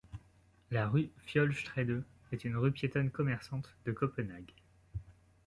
La rue Fiolstræde est une rue piétonne commerçante de Copenhague.